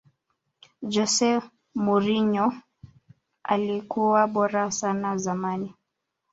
jose mourinho alikuwa bora sana zamani